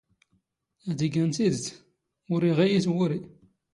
ⴰⴷ ⵉⴳⴰⵏ ⵜⵉⴷⵜ, ⵓⵔ ⵉⵖⵉⵢ ⵉ ⵜⵡⵓⵔⵉ.